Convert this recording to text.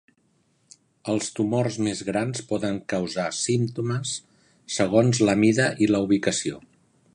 Els tumors més grans poden causar símptomes, segons la mida i la ubicació.